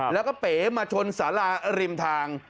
แล้วก็เป๋มาชนสาราริมทาง